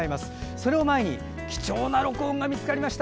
それを前に貴重な録音が見つかりました。